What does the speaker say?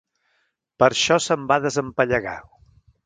Per això se'n va desempallegar.